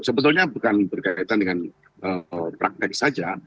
sebetulnya bukan berkaitan dengan praktek saja